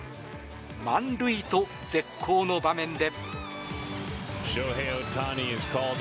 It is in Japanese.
満塁と絶好の場面で。